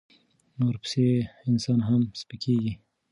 ورپسې انسان هم سپکېږي.